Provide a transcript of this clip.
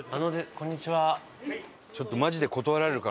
こんにちは。